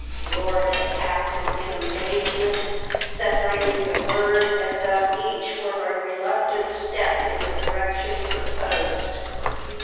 roared the captain in amazement, separating the words as though each were a reluctant step in the direction proposed.